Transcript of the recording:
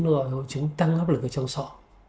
nó gọi là hội chứng tăng lấp lực trong sọ